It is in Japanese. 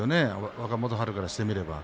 若元春からしてみれば。